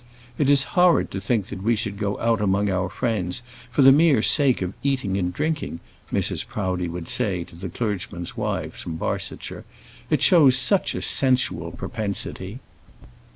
"It is horrid to think that we should go out among our friends for the mere sake of eating and drinking," Mrs. Proudie would say to the clergymen's wives from Barsetshire. "It shows such a sensual propensity."